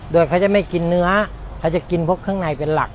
โดยเขาจะไม่กินเนื้อเขาจะกินพวกเครื่องในเป็นหลัก